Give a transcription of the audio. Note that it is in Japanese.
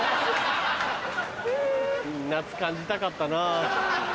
夏感じたかったな。